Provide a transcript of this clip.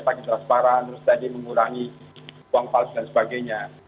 lagi transparan terus tadi mengurangi uang palsu dan sebagainya